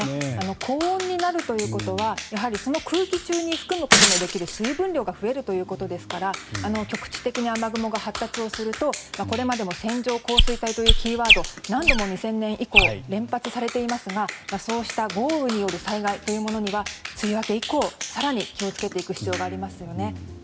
高温になるということは空気中に含むことができる水分量が増えるということですから局地的に雨雲が発達するとこれまでも線状降水帯というキーワードが何度も２０００年以降連発されていますがそうした豪雨による災害には梅雨明け以降更に気を付けていく必要がありますよね。